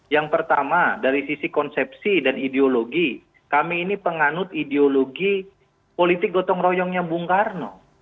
yang pertama dari sisi konsepsi dan ideologi kami ini penganut ideologi politik gotong royongnya bung karno